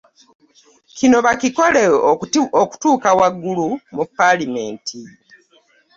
kino bakikole okutuuka waggulu mu paalamenti.